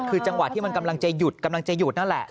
คือจังหวะที่มันกำลังจะหยุดนั่นแหละ